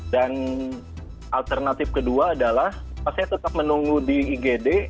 dan alternatif kedua adalah pas saya tetap menunggu di igd